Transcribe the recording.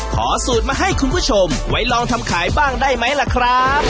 ขอสูตรมาให้คุณผู้ชมไว้ลองทำขายบ้างได้ไหมล่ะครับ